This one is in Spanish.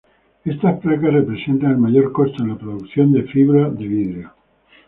Estas placas representan el mayor costo en la producción de fibra de vidrio.